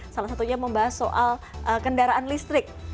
salah satunya membahas soal kendaraan listrik